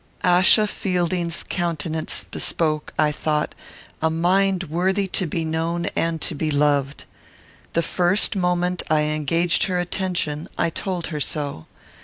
Achsa Fielding's countenance bespoke, I thought, a mind worthy to be known and to be loved. The first moment I engaged her attention, I told her so.